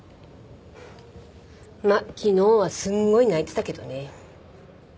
まあ昨日はすんごい泣いてたけどね。